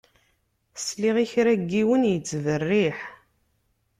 Sliɣ i kra n yiwen yettberriḥ.